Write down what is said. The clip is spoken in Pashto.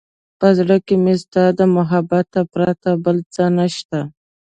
په زړه کې مې ستا د محبت پرته بل څه نشته.